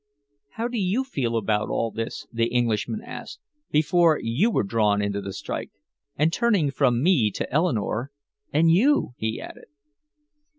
"How did you feel about all this," the Englishman asked, "before you were drawn into the strike?" And turning from me to Eleanore, "And you?" he added.